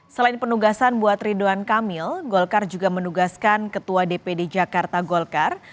selain penugasan buat ridwan kamil golkar juga menugaskan ketua dpd jakarta golkar